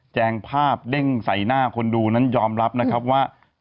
งภาพเด้งใส่หน้าคนดูนั้นยอมรับนะครับว่า